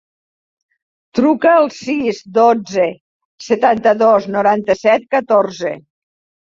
Truca al sis, dotze, setanta-dos, noranta-set, catorze.